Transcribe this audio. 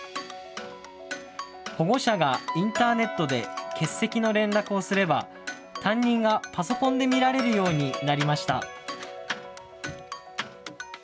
保護者がインターネットで欠席の連絡をすれば、担任がパソコンで見られるようになりました。